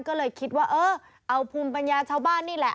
ก็เลยคิดว่าเออเอาภูมิปัญญาชาวบ้านนี่แหละ